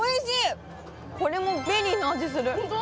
これもベリーの味するホント？